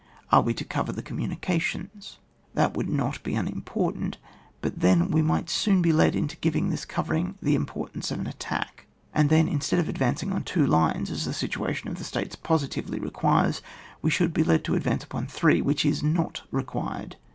Are we to cover the communications ? That would not be unimportant ; but then we might soon be led into giving this cover ing the importance of an attack, and then, instead of advancing on two lines, as the situation of the States positively requires, we shotdd be led to advance upon three, which is not reqiiired.